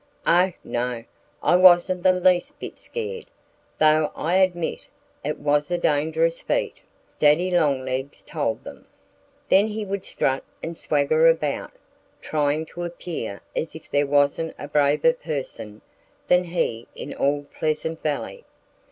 "Oh, no! I wasn't the least bit scared, though I admit it was a dangerous feat," Daddy Longlegs told them. Then he would strut and swagger about, trying to appear as if there wasn't a braver person than he in all Pleasant Valley.